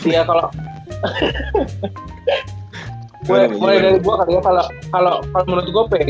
walaupun mulainya agak terkelat terus sempet kalah